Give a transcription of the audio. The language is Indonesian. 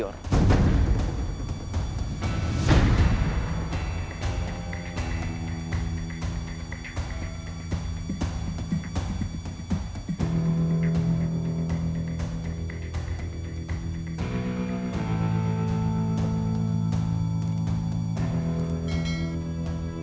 dan kita jadi warrior